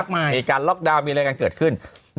มีการล็อกดาวน์มีอะไรกันเกิดขึ้น